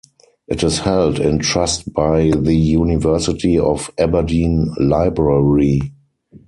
It is held in trust by the University of Aberdeen Library.